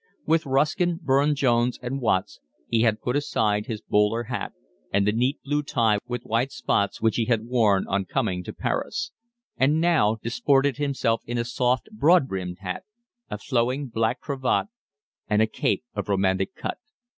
With Ruskin, Burne Jones, and Watts, he had put aside his bowler hat and the neat blue tie with white spots which he had worn on coming to Paris; and now disported himself in a soft, broad brimmed hat, a flowing black cravat, and a cape of romantic cut.